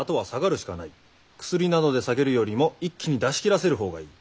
薬などで下げるよりも一気に出し切らせる方がいい」。